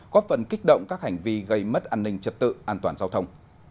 góp phần kích động các hành vi gây mất an ninh trật tự an toàn giao thông